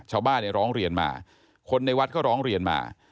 ชาวบ้านเนี่ยร้องเรียนมาคนในวัดก็ร้องเรียนมา